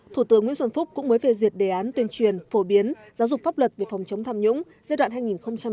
thủ tướng nguyễn xuân phúc cũng mới phê duyệt đề án tuyên truyền phổ biến giáo dục pháp luật về phòng chống tham nhũng giai đoạn hai nghìn một mươi chín hai nghìn hai mươi